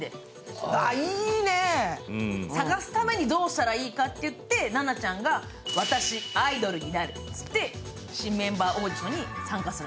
探すためにどうしたらいいかっていってナナちゃんが、私、アイドルになるって言って新メンバーオーディションに参加する。